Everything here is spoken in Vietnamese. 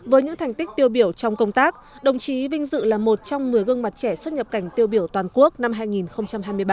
với những thành tích tiêu biểu trong công tác đồng chí vinh dự là một trong một mươi gương mặt trẻ xuất nhập cảnh tiêu biểu toàn quốc năm hai nghìn hai mươi ba